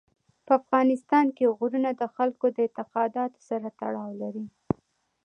په افغانستان کې غرونه د خلکو د اعتقاداتو سره تړاو لري.